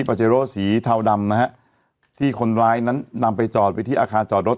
เจโร่สีเทาดำนะฮะที่คนร้ายนั้นนำไปจอดไว้ที่อาคารจอดรถ